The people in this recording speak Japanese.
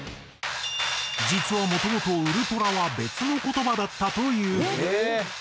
実はもともと「ウルトラ」は別の言葉だったという。